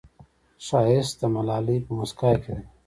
ښایست د ملالې په موسکا کې دی